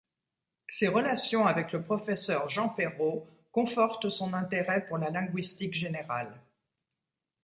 Ses relations avec le professeur Jean Perrot confortent son intérêt pour la linguistique générale.